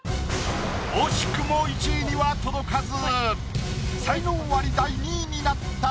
惜しくも１位には届かず。